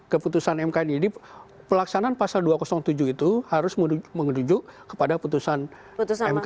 keputusan mk ini jadi pelaksanaan pasal dua ratus tujuh itu harus menuju kepada putusan mk